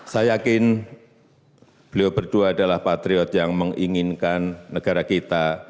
saya yakin beliau berdua adalah patriot yang menginginkan negara kita